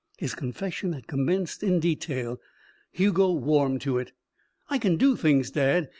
His confession had commenced in detail. Hugo warmed to it. "I can do things, dad.